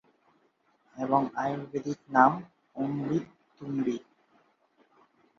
এবং আয়ুর্বেদিক নাম অমৃততুম্বী।